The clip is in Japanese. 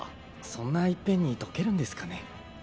そんないっぺんにとけるんですかね。